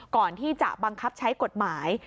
ก่อนที่จะบังคับใช้กฎหมาย